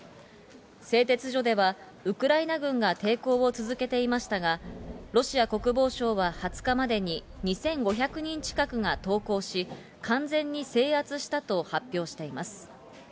製鉄所では、ウクライナ軍が抵抗を続けていましたが、ロシア国防省は２０日までに２５００人近くが投降し、完全に制圧したと発表しています。